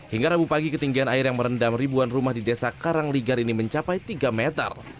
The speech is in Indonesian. hingga rabu pagi ketinggian air yang merendam ribuan rumah di desa karangligar ini mencapai tiga meter